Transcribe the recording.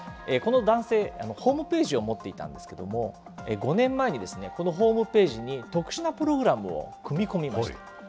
この男性、ホームページを持っていたんですけれども、５年前にこのホームページに、特殊なプログラムを組み込みました。